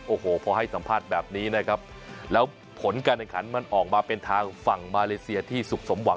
โอ้โหพอให้สัมภาษณ์แบบนี้นะครับแล้วผลการแข่งขันมันออกมาเป็นทางฝั่งมาเลเซียที่สุขสมหวัง